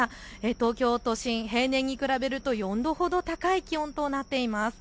東京都心、平年に比べると４度ほど高い気温となっています。